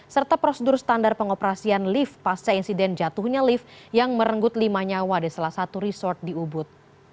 serta prosedur standar pengoperasian lift pasca insiden jatuhnya lift yang merenggut lima nyawa di salah satu resort di ubud